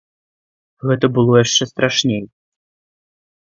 Гэта было яшчэ страшней.